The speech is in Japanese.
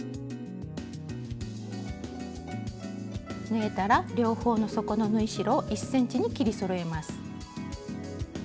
縫えたら両方の底の縫い代を１ｃｍに切りそろえます。